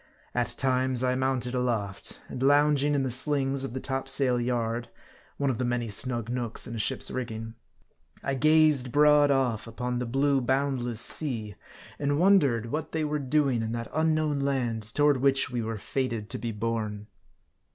At times, 1 mounted aloft, and lounging in the slings of the topsail yard one of the many snug nooks in a ship's rigging I gazed broad off upon the blue boundless sea, and wondered what they were doing in that unknown land, toward which we were fated to be borne.